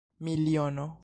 miliono